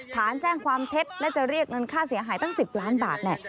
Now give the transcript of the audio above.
ฐานแจ้งความเท็จและจะเรียกเงินค่าเสียหายตั้ง๑๐ล้านบาท